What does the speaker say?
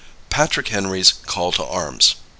Patrick Henry's Call to Arms.